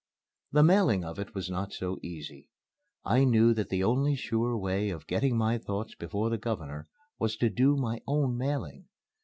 The mailing of it was not so easy. I knew that the only sure way of getting my thoughts before the Governor was to do my own mailing.